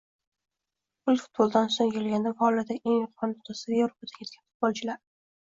Pul futboldan ustun kelganda. Faoliyatining eng yuqori nuqtasida Yevropadan ketgan futbolchilar